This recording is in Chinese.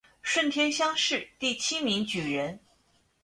顺天乡试第七名举人。